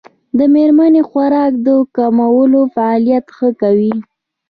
د مڼې خوراک د کولمو فعالیت ښه کوي.